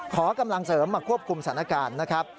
ขอกำลังเสริมมาควบคุมสถานการณ์นะครับ